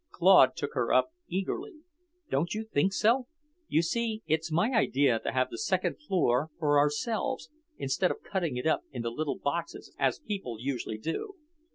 Claude took her up eagerly. "Don't you think so? You see it's my idea to have the second floor for ourselves, instead of cutting it up into little boxes as people usually do.